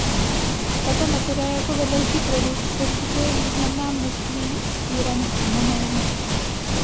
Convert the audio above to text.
Tato metoda jako vedlejší produkt poskytuje významná množství síranu amonného.